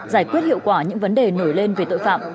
giải quyết hiệu quả những vấn đề nổi lên về tội phạm